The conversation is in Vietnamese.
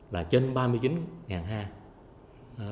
là trên ba mươi chín ha